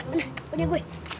aduh berani gue